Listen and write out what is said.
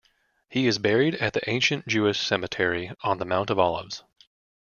He is buried at the ancient Jewish cemetery on the Mount of Olives.